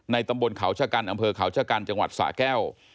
ตำบลเขาชะกันอำเภอเขาชะกันจังหวัดสะแก้ว